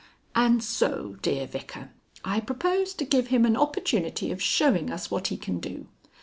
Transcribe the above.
_)" "And so, dear Vicar, I propose to give him an opportunity of showing us what he can do.